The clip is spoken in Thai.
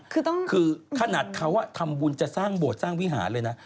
คือต้องคือขนาดเขาทำบุญจะสร้างโบสถสร้างวิหารเลยนะ